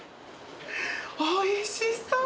おいしそう！